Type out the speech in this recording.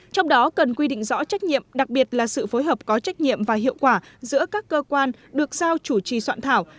trong đó cần quy định rõ trách nhiệm đặc biệt là sự phối hợp có trách nhiệm và hiệu quả giữa các cơ quan được giao chủ trì soạn thảo